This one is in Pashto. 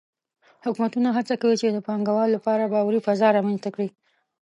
حکومتونه هڅه کوي چې د پانګهوالو لپاره باوري فضا رامنځته کړي.